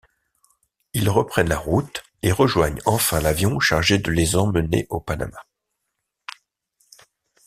Ils reprennent la route et rejoignent enfin l'avion chargé de les emmener au Panama.